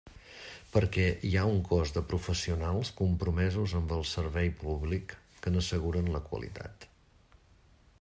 Perquè hi ha un cos de professionals compromesos amb el servei públic que n'asseguren la qualitat.